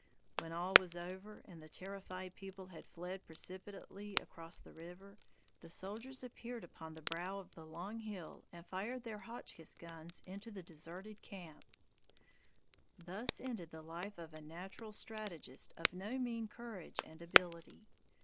When all was over, and the terrified people had fled precipitately across the river, the soldiers appeared upon the brow of the long hill and fired their Hotchkiss guns into the deserted camp. Thus ended the life of a natural strategist of no mean courage and ability.